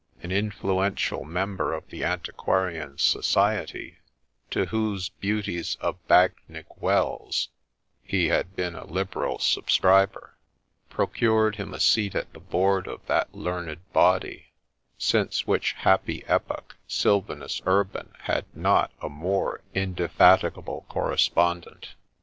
An influential member of the Antiquarian Society, to whose ' Beauties of Bagnigge Wells ' he had been a liberal sub scriber, procured him a seat at the board of that learned body, since which happy epoch Sylvanus Urban had not a more in OF TAPPINGTON 9 defatigable correspondent.